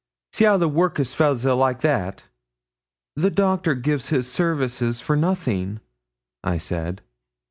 See how the workus fellahs 'ill like that!' 'The Doctor gives his services for nothing,' I said.